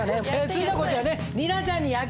続いてはこちらね